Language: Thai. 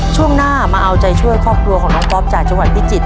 ช่วงหน้ามาเอาใจช่วยครอบครัวของน้องก๊อฟจากจังหวัดพิจิตร